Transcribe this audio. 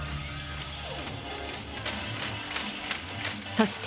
そして。